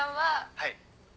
はい。